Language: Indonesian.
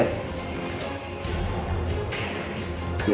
yuk satu aja